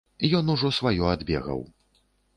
Ён ужо сваё адбегаў.